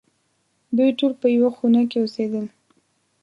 دوی ټول په یوه خونه کې اوسېدل.